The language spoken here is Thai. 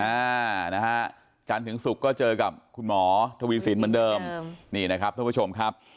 อ่านะฮะจันทร์ถึงศุกร์ก็เจอกับคุณหมอทวีสินเหมือนเดิมนี่นะครับท่านผู้ชมครับ